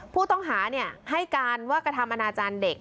ผู้ต้องหาให้การว่ากระทำอนาจารย์เด็ก